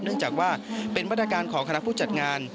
เนื่องจากว่าเป็นมาตรการของคณะผู้จัดงาน